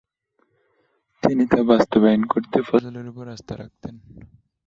তিনি তা বাস্তবায়ন করতে ফজলের উপর আস্থা রাখতেন।